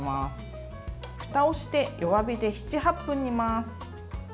ふたをして弱火で７８分煮ます。